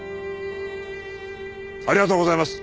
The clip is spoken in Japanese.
ありがとうございます。